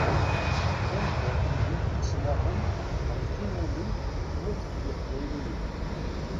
Anda-ten wid ittnaɣen ɣef timunent n tmurt n Iqbayliyen?